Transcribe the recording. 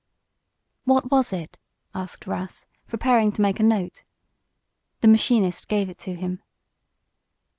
"What was it?" asked Russ, preparing to make a note. The machinist gave it to him.